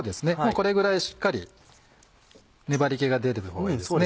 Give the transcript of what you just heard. これぐらいしっかり粘り気が出てくる方がいいですね。